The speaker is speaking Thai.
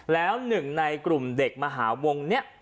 แล้วหนึ่งในกลุ่มเด็กมหาวงนี้